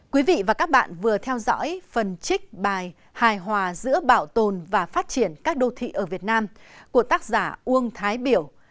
quý vị và các bạn vừa theo dõi phần trích bài hài hòa giữa bảo tồn và phát triển các đô thị ở việt nam của tác giả uông thái biểu